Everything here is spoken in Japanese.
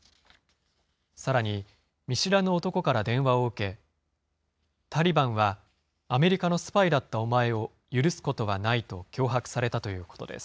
さらに、見知らぬ男から電話を受け、タリバンはアメリカのスパイだったお前を許すことはないと脅迫されたということです。